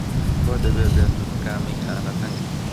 بۆ دەبێ بێت و بکا مەیخانە تەنگ؟!